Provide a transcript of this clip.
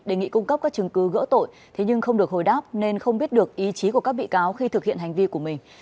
đề nghị cung cấp các chứng cứ gỡ tội nhưng không được hồi đáp nên không biết được ý chí của các bị cáo khi thực hiện hành vi của mình